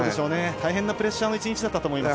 大変なプレッシャーの１日だったと思います。